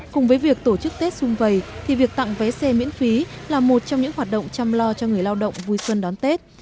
cùng với việc tổ chức tết xung vầy thì việc tặng vé xe miễn phí là một trong những hoạt động chăm lo cho người lao động vui xuân đón tết